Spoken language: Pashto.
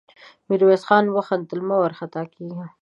ميرويس خان وخندل: مه وارخطا کېږه!